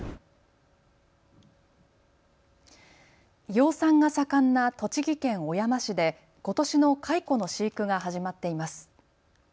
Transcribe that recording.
養蚕が盛んな栃木県小山市でことしの蚕の飼育が始まっています。